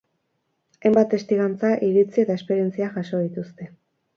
Hainbat testigantza, iritzi eta esperientzia jaso dituzte.